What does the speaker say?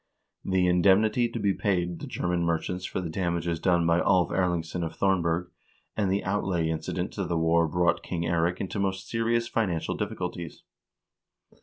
The indemnity to be paid the German merchants for the damages done by Alv Erlingsson of Thornberg, and the outlay incident to the war brought King Eirik into most serious financial difficulties.